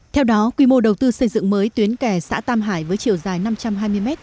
theo đó quy mô đầu tư xây dựng mới tuyến kè xã tam hải với chiều dài năm trăm hai mươi m